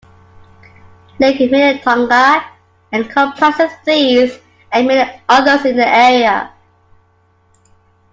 Lake Minnetonka encompasses these and many others in the area.